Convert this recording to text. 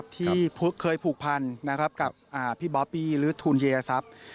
ที่เคยผูกพันกับพี่บ๊อบปี้หรือทุนเยียร์ทรัพย์